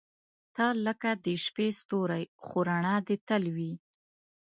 • ته لکه د شپې ستوری، خو رڼا دې تل وي.